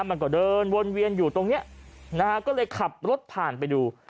มันก็เดินวนเวียนอยู่ตรงเนี้ยนะฮะก็เลยขับรถผ่านไปดู